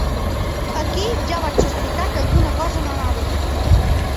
Aquí ja vaig sospitar que alguna cosa no anava bé.